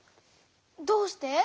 どうして？